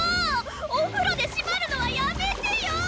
お風呂で縛るのはやめてよ！